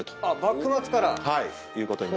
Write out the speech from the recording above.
あっ幕末から！